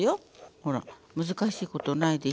ほら難しいことないでしょ？